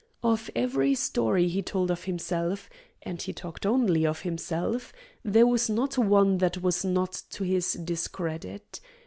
Of every story he told of himself, and he talked only of himself, there was not one that was not to his discredit.